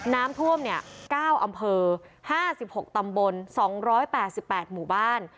น้ำท่วม๙อำเภอ๕๖ตำบล๒๘๘หมู่บ้าน